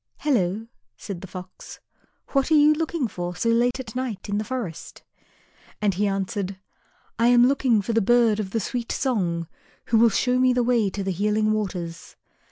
"Hello," said the Fox. "What are you looking for so late at night in the forest?" And he answered, "I am looking for the bird of the sweet song, who will show me the way to the Healing Waters."